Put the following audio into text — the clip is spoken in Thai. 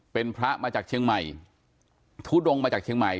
เป็นพระมาจากเชียงใหม่ทุดงมาจากเชียงใหม่